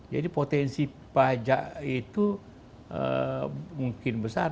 jadi potensi pajak itu mungkin besar